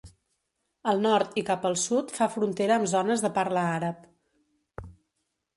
Al nord i cap al sud fa frontera amb zones de parla àrab.